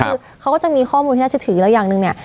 คือเขาก็จะมีข้อมูลที่น่าจะถือแล้วอย่างหนึ่งเนี่ย